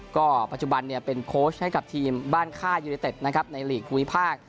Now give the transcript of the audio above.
ก็ปัจจุบันเป็นโค้ชให้กับทีมบ้านค่ายยูเนเต็ดนะครับในหลีกภูมิภาค